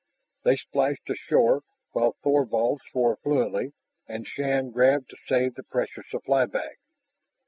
They splashed shoreward while Thorvald swore fluently and Shann grabbed to save the precious supply bag.